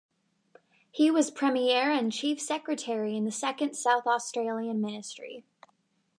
He was Premier and chief secretary in the second South Australian ministry.